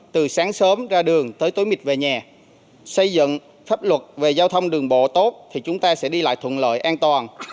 từ sáng sớm ra đường tới tối mịt về nhà xây dựng pháp luật về giao thông đường bộ tốt thì chúng ta sẽ đi lại thuận lợi an toàn